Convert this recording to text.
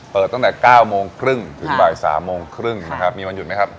ตั้งแต่๙โมงครึ่งถึงบ่าย๓โมงครึ่งนะครับมีวันหยุดไหมครับ